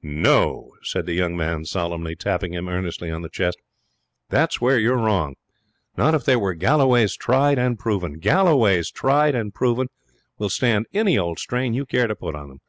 'No!' said the young man, solemnly, tapping him earnestly on the chest. 'That's where you're wrong. Not if they were Galloway's Tried and Proven. Galloway's Tried and Proven will stand any old strain you care to put on them.